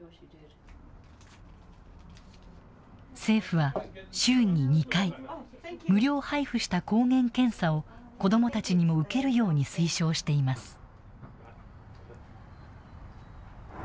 政府は、週に２回無料配布した抗原検査を子どもたちにも受けるように推奨しています。